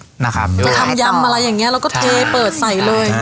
ทำยำอะไรแบบนี้แล้วก็เทเปิดใส่เลย